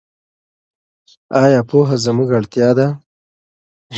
ایا پوهه زموږ اړتیا ده؟